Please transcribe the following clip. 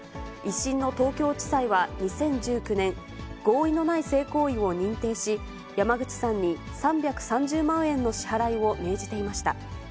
１審の東京地裁は、２０１９年、合意のない性行為を認定し、山口さんに３３０万円の支払いを命じていました。